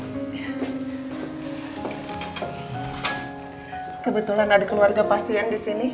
kebetulan ada keluarga pasien di sini